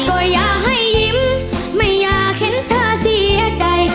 ก็อยากให้ยิ้มไม่อยากเห็นเธอเสียใจ